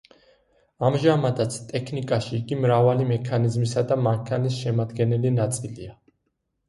ამჟამადაც ტექნიკაში იგი მრავალი მექანიზმისა და მანქანის შემადგენელი ნაწილია.